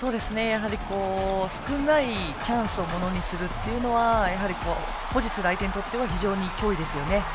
やはり少ないチャンスをものにするというのはやはり保持する相手にとっては脅威ですよね。